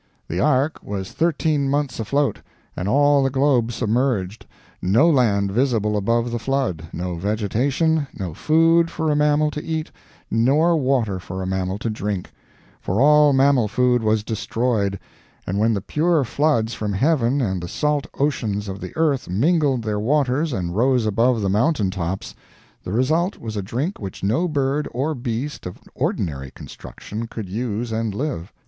The Ark was thirteen months afloat, and all the globe submerged; no land visible above the flood, no vegetation, no food for a mammal to eat, nor water for a mammal to drink; for all mammal food was destroyed, and when the pure floods from heaven and the salt oceans of the earth mingled their waters and rose above the mountain tops, the result was a drink which no bird or beast of ordinary construction could use and live.